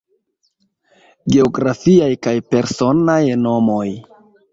Geografiaj kaj personaj nomoj.